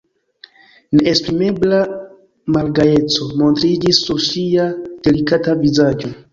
Neesprimebla malgajeco montriĝis sur ŝia delikata vizaĝo.